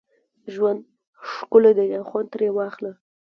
ژوند ښکلی دی او خوند ترې واخله